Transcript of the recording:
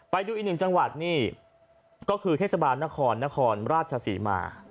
ไปดูอีกหนึ่งจังหวัดนี่ก็คือเทศบาลนครนครราชศรีมา